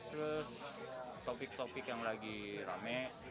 terus topik topik yang lagi rame